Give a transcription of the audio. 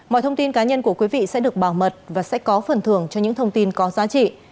mọi thông tin cá nhân của quý vị sẽ được bảo mật và sẽ có phần thường cho những thông tin có giá trị